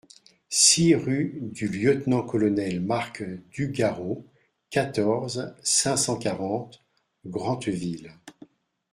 six rue du Lt Col Marc Dugarreau, quatorze, cinq cent quarante, Grentheville